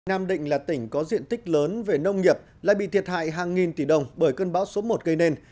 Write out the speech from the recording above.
nam định là tỉnh có diện tích lớn về nông nghiệp lại bị thiệt hại hàng nghìn tỷ đồng bởi cơn bão số một gây nên